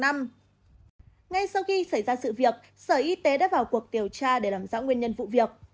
ngay sau khi xảy ra sự việc sở y tế đã vào cuộc điều tra để làm rõ nguyên nhân vụ việc